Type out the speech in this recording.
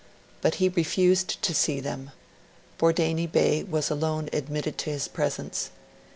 But he refused to see them; Bordeini Bey was alone admitted to his presence.